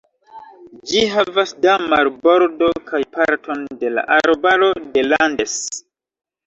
Ĝi havas da marbordo kaj parton de la arbaro de Landes.